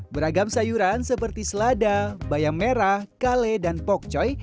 beragam sayuran seperti selada bayam merah kale dan pokcoi